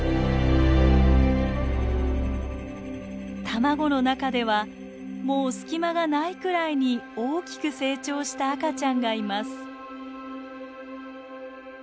卵の中ではもう隙間がないくらいに大きく成長した赤ちゃんがいます。